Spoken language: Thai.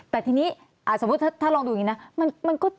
แต่ทีนี้สมมุติถ้าลองดูอย่างนี้นะ